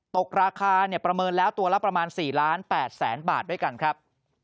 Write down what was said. ตกราคาประเมินแล้วตัวละประมาณ๔ล้าน๘แสนบาทด้วยกันครับ